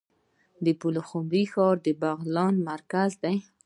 د پلخمري ښار د بغلان مرکز دی